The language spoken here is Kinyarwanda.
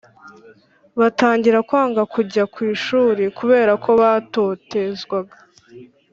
Batangira kwanga kujya ku ishuri kubera ko batotezwaga